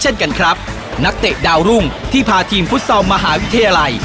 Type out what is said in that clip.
เช่นกันครับนักเตะดาวรุ่งที่พาทีมฟุตซอลมหาวิทยาลัย